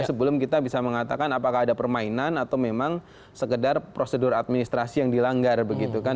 sebelum kita bisa mengatakan apakah ada permainan atau memang sekedar prosedur administrasi yang dilanggar begitu kan